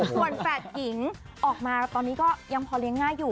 ส่วนแฝดหญิงออกมาตอนนี้ก็ยังพอเลี้ยงง่ายอยู่